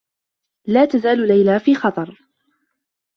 لا تزال ليلى في خطر.